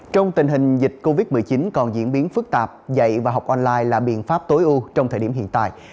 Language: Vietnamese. trong tình hình dịch covid một mươi chín còn diễn biến phức tạp dạy và học online là biện pháp tối ưu trong thời điểm hiện tại